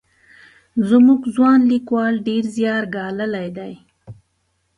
زموږ ځوان لیکوال ډېر زیار ګاللی دی.